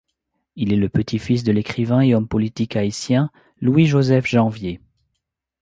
Il est le petit-fils de l'écrivain et homme politique haïtien Louis-Joseph Janvier.